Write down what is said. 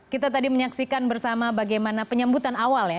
kita tadi menyaksikan bersama bagaimana penyambutan awal ya